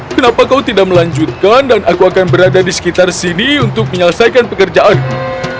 kenapa kau tidak melanjutkan dan aku akan berada di sekitar sini untuk menyelesaikan pekerjaanku